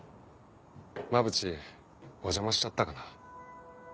馬淵お邪魔しちゃったかな。